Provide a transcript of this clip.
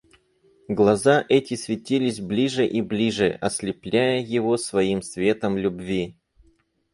Глаза эти светились ближе и ближе, ослепляя его своим светом любви.